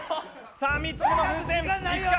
さあ３つ目の風船いくか？